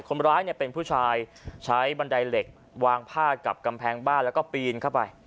คนร้ายเนี่ยเป็นผู้ชายใช้บันไดเหล็กวางผ้ากับกำแพงบ้านแล้วก็ปีนเข้าไป